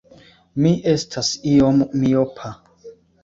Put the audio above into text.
Mi estas iom miopa.